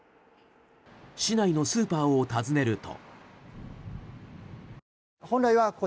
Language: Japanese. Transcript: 市内のスーパーを訪ねると。